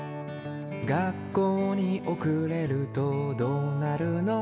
「学校におくれるとどうなるの？」